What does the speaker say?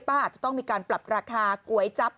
อาจจะต้องมีการปรับราคาก๋วยจั๊บ